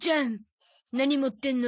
何持ってんの？